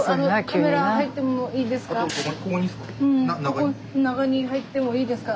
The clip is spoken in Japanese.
ここ中に入ってもいいですか？